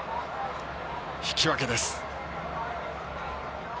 引き分けです。